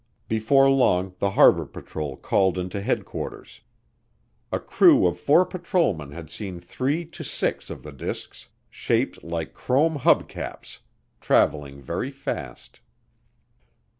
Before long the harbor patrol called into headquarters. A crew of four patrolmen had seen three to six of the disks, "shaped like chrome hub caps," traveling very fast.